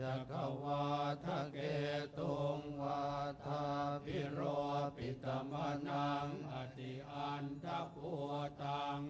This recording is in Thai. จกวาทะเกตุงวาทะภิโรปิตมนังอธิอันตะภวตัง